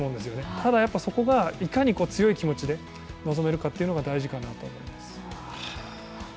ただ、そこが、いかに強い気持ちで臨めるかが大事かなと思います。